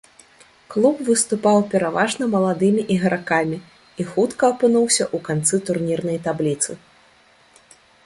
Клуб выступаў пераважна маладымі ігракамі і хутка апынуўся ў канцы турнірнай табліцы.